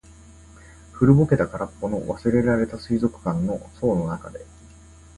古ぼけた、空っぽの、忘れられた水族館の槽の中で。